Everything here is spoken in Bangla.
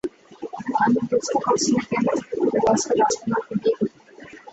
ওহ, আমি বুঝতে পারছিনা কেন তাকে কোন বয়স্ক রাজকুমারকে বিয়ে করতে হবে।